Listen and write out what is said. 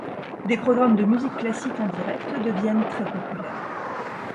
Des programmes de musique classique en direct deviennent très populaires.